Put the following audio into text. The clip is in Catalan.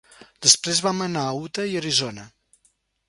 Després vam anar a Utah i Arizona.